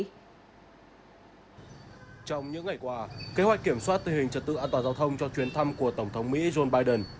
trong những ngày qua kế hoạch kiểm soát tình hình trật tự an toàn giao thông cho chuyến thăm của tổng thống mỹ joe biden